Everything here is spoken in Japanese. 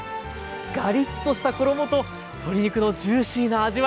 ガリッとした衣と鶏肉のジューシーな味わい！